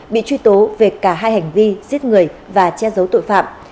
bị truy tố về cả hai hành vi giết người và che giấu tội phạm